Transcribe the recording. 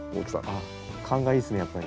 あっ勘がいいっすねやっぱり。